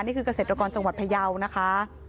เกษตรกรจังหวัดพยาวนะคะ